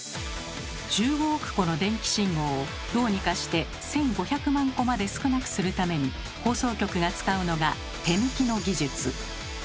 １５億個の電気信号をどうにかして１，５００万個まで少なくするために放送局が使うのが「手抜き」の技術。